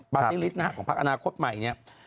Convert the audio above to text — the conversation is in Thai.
ปาร์ตี้ลิสต์นะฮะของพักอนาคตใหม่เนี่ย